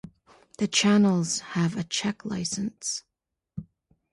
The channels have a Czech license.